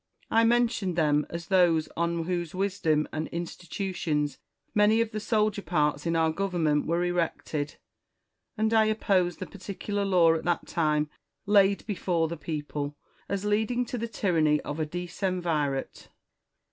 I mentioned them as those on whose wisdom and institutions many of the solider parts in our government were erected ; and I opposed the particular law at that time laid before the people, as leading to the tyranny of a decemvirate.